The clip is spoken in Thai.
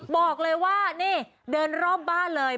บอกเลยว่านี่เดินรอบบ้านเลย